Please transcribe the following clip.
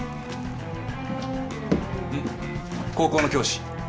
うん高校の教師。